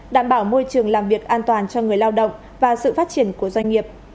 đảm bảo môi trường làm việc an toàn cho người lao động và sự phát triển của doanh nghiệp